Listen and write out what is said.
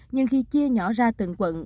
nhưng khi chia nhỏ ra từng quận